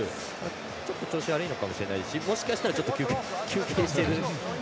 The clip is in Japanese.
ちょっと調子悪いのかもしれないですしもしかしたら休憩してる。